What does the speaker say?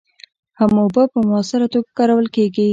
هم اوبه په مؤثره توکه کارول کېږي.